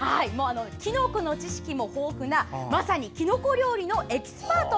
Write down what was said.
きのこの知識も豊富なまさに、きのこ料理のエキスパート！